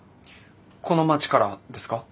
この町からですか？